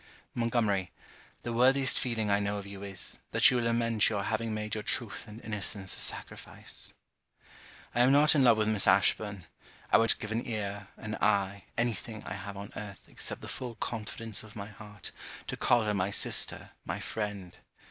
Montgomery, the worthiest feeling I know of you is, that you lament your having made your truth and innocence a sacrifice. I am not in love with Miss Ashburn. I would give an ear, an eye, any thing I have on earth, except the full confidence of my heart, to call her my sister, my friend.